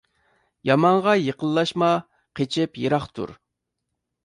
يامانغا يېقىنلاشما قېچىپ يىراق تۇر.